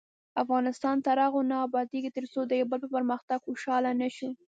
افغانستان تر هغو نه ابادیږي، ترڅو د یو بل په پرمختګ خوشحاله نشو.